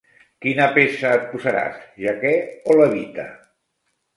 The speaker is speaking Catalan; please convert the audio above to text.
Quina peça et posaràs: jaqué o levita?